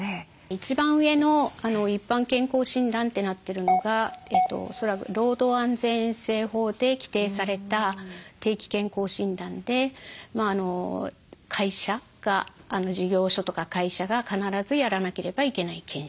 一番上の一般健康診断ってなってるのが恐らく労働安全衛生法で規定された定期健康診断で事業所とか会社が必ずやらなければいけない健診。